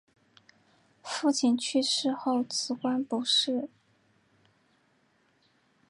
父亲去世后辞官不仕。